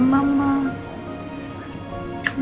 kamu tenang aja ya